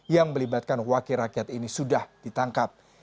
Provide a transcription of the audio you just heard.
yang melibatkan wakil rakyat ini sudah ditangkap